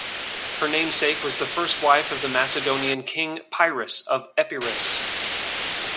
Her namesake was the first wife of the Macedonian King Pyrrhus of Epirus.